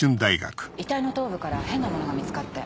遺体の頭部から変なものが見つかって。